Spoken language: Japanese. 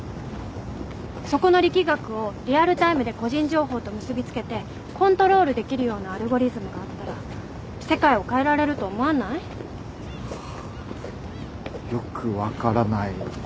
そこの力学をリアルタイムで個人情報と結び付けてコントロールできるようなアルゴリズムがあったら世界を変えられると思わない？はよく分からない。